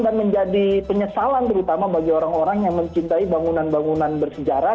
dan menjadi penyesalan terutama bagi orang orang yang mencintai bangunan bangunan bersejarah